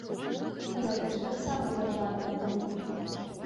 Гэта ж таксама дзяржаўная палітыка.